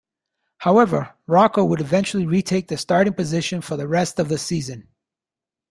However, Rocco would eventually retake the starting position for the rest of the season.